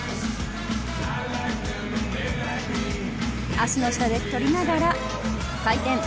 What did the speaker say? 足の下で取りながら、回転。